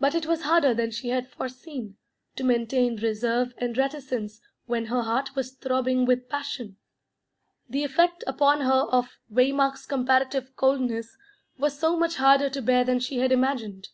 But it was harder than she had foreseen, to maintain reserve and reticence when her heart was throbbing with passion; the effect upon her of Waymark's comparative coldness was so much harder to bear than she had imagined.